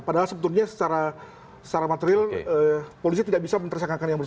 padahal sebetulnya secara material polisi tidak bisa mentersangkakan yang bersangkutan